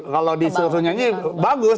kalau disuruh nyanyi bagus